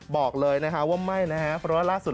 บอกเลยนะคะว่าไม่นะฮะเพราะว่าล่าสุด